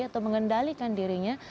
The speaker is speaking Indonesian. atau mengendalikan dirinya